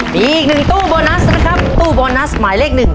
มีอีกหนึ่งตู้โบนัสนะครับตู้โบนัสหมายเลขหนึ่ง